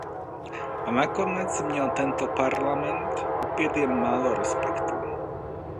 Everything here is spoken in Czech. A nakonec měl tento parlament opět jen málo respektu.